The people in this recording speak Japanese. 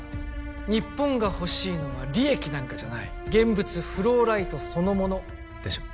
日本がほしいのは利益なんかじゃない現物フローライトそのものでしょう？